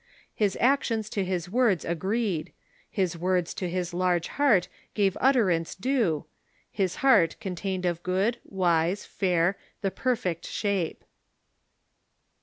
His actions to his words agreed, his words To his large heart gave utterance due, his heart Contained of good, wise, fair, the perfect shape."